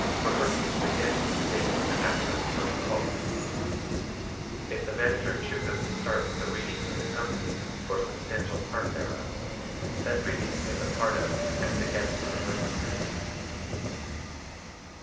Rehearsals begin with the date when the Actor is first called. If the Manager chooses to start with a reading to the company, or substantial part thereof, said reading is a part of and begins the rehearsal period.